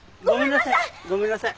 ごめんなさい！